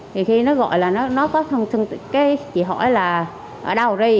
thì khi nó gọi là nó có thân thân cái chị hỏi là ở đâu đi